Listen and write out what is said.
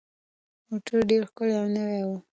موټر ډېر ښکلی او نوی و.